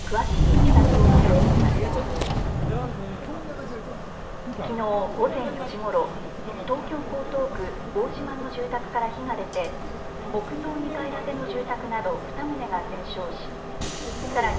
きのう午前４時ごろ東京江東区大島の住宅から火が出て木造２階建ての住宅など２棟が全焼しさらに